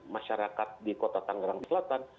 masyarakat di kota tangerang selatan